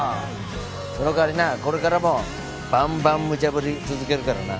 その代わりなこれからもバンバンむちゃ振り続けるからな。